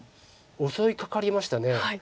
襲いかかりました。